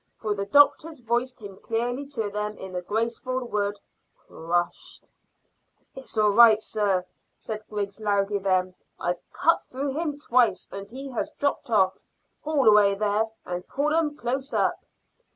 For the doctor's voice came clearly to them in the grateful word, "Crushed!" "It's all right, sir," said Griggs loudly then. "I've cut through him twice, and he has dropped off. Haul away there and pull 'em close up."